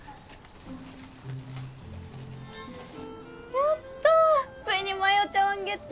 やった！